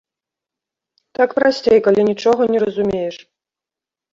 Так прасцей, калі нічога не разумееш.